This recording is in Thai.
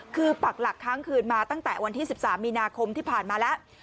คือปักหลักค้างคืนมาตั้งแต่วันที่๑๓มีนาคมที่ผ่านมาแล้ว